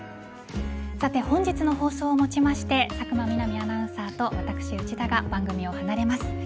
さて、本日の放送を持ちまして佐久間みなみアナウンサーと私、内田が番組を離れます。